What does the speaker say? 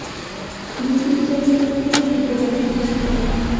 যুক্তিবিচারের ভিতর দিয়াই দিব্যজ্ঞানে পৌঁছিতে হয়।